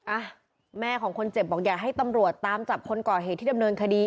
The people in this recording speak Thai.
อ่ะแม่ของคนเจ็บบอกอยากให้ตำรวจตามจับคนก่อเหตุที่ดำเนินคดี